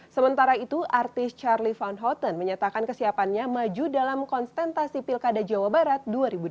sementara itu artis charlie van hotton menyatakan kesiapannya maju dalam konsentrasi pilkada jawa barat dua ribu delapan belas